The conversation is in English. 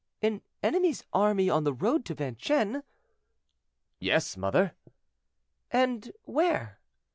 "An enemy's army on the road to Vincennes?" "Yes, mother." "And where?"